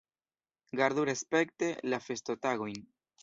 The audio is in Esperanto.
Gardu respekte la festotagojn.